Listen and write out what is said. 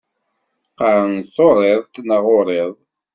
Qqaṛen turiḍt neɣ uriḍ.